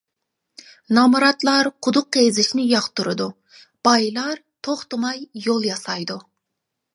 نامراتلار قۇدۇق قېزىشنى ياقتۇرىدۇ، بايلار توختىماي يول ياسايدۇ.